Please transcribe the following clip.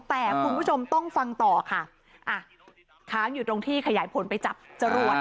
แต่คุณผู้ชมต้องฟังต่อค่ะอ่ะค้างอยู่ตรงที่ขยายผลไปจับจรวด